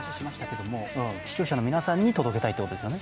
視聴者の皆さんに届けたいということですね？